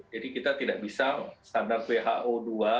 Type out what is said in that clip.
jadi kita tidak bisa standar who dua